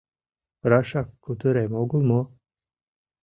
— Рашак кутырем огыл мо?!